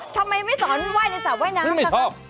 โอ้โหทำไมไม่สอนว่ายในสระว่ายน้ำกัน